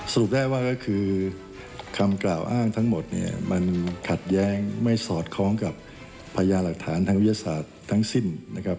ได้ว่าก็คือคำกล่าวอ้างทั้งหมดเนี่ยมันขัดแย้งไม่สอดคล้องกับพญาหลักฐานทางวิทยาศาสตร์ทั้งสิ้นนะครับ